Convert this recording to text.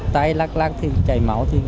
tay lắc lắc thì chảy máu